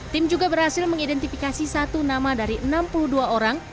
tim juga berhasil mengidentifikasi satu nama dari enam puluh dua orang